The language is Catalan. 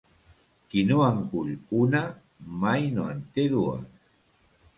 Qui no en cull una, mai no en té dues.